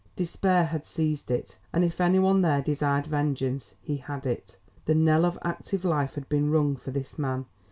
Despair had seized it, and if any one there desired vengeance, he had it. The knell of active life had been rung for this man.